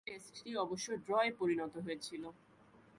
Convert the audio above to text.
ঐ টেস্টটি অবশ্য ড্রয়ে পরিণত হয়েছিল।